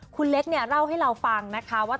คุณเล็กเนี่ยเล่าให้เราฟังนะคะว่า